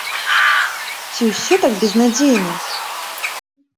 Ці ўсё так безнадзейна?